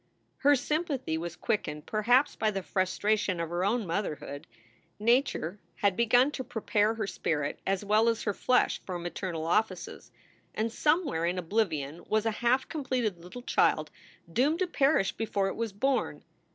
Her sympathy was quickened, perhaps, by the frustration of her own motherhood. Nature had begun to prepare her SOULS FOR SALE 161 spirit as well as her flesh for maternal offices, and somewhere in oblivion was a half completed little child doomed to perish before it was born.